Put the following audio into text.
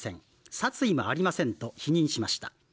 殺意もありませんと否認しました。